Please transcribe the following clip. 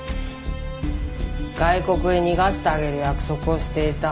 外国へ逃がしてあげる約束をしていた。